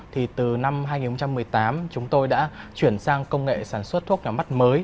thì từ năm hai nghìn một mươi tám chúng tôi đã chuyển sang công nghệ sản xuất thuốc làm mắt mới